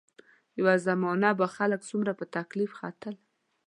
یوه زمانه به خلک څومره په تکلیف ختل.